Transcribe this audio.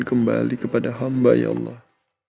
kembali kepada hamba ya allah